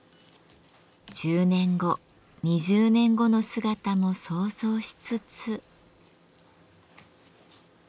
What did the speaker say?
１０年後２０年後の姿も想像しつつ。